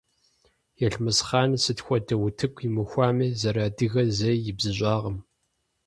Елмэсхъан сыт хуэдэ утыку имыхуами, зэрыадыгэр зэи ибзыщӏакъым.